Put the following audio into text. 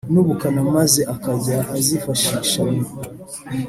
n'ubukana maze akajya azifashisha mu